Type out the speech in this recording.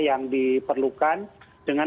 yang diperlukan dengan